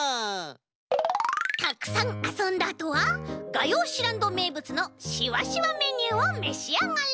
たくさんあそんだあとはがようしランドめいぶつのしわしわメニューをめしあがれ！